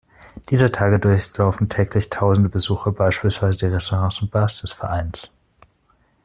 Dieser Tage durchlaufen täglich tausende Besucher beispielsweise die Restaurants und Bars des Vereins.